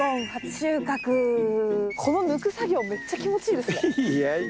この抜く作業めっちゃ気持ちいいですね。